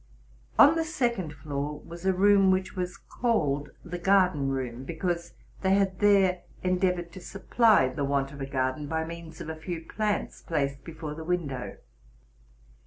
On the second floor was a room which was called the garden room, because they had there endeavored to supply the want of a garden by means of a few plants placed before the window.